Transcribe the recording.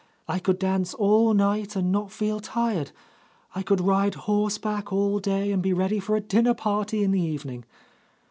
I could dance all night and not feel tired. I could ride horseback all day and be ready for a dinner party in the evening.